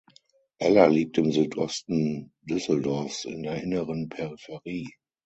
Eller liegt im Südosten Düsseldorfs in der inneren Peripherie.